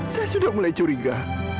saya sudah mulai curiga